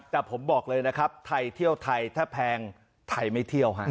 แต่ผมบอกเลยนะครับไทยเที่ยวไทยถ้าแพงไทยไม่เที่ยวฮะ